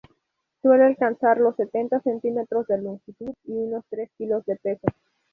Suele alcanzar los sesenta centímetros de longitud y unos tres kilos de peso.